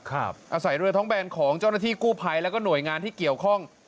อาศัยเรือท้องแบนของเจ้าหน้าที่กู้ภัยแล้วก็หน่วยงานที่เกี่ยวข้อง